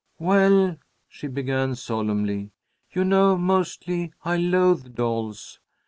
"Well," she began, solemnly, "you know mostly I loathe dolls.